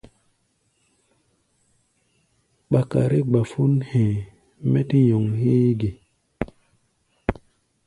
Ɓakare gbafón hɛ̧ɛ̧, mɛ́ tɛ́ nyɔŋ héé ge?